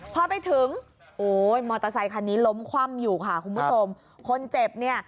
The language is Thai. พอไปถึงโอ้ยมอเตอร์ไซคันนี้ล้มคว่ำอยู่ค่ะคุณผู้ชมคนเจ็บเนี่ย